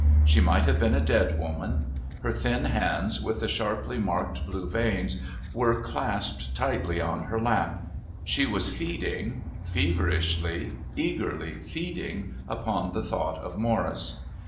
She might have been a dead woman. Her thin hands, with the sharply marked blue veins, were clasped tightly on her lap. She was feeding, feverishly, eagerly feeding upon the thought of Morris.